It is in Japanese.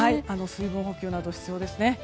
水分補給など必要ですね。